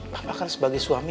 papa kan sebagai suami